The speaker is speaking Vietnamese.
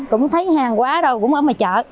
không thấy hàng quá đâu cũng ở ngoài chợ